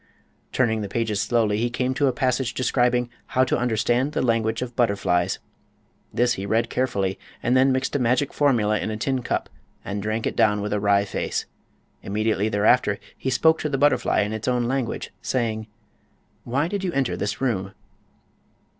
Turning the pages slowly he came to a passage describing "How to understand the language of butterflies." This he read carefully and then mixed a magic formula in a tin cup and drank it down with a wry face. Immediately thereafter he spoke to the butterfly in its own language, saying: "Why did you enter this room?"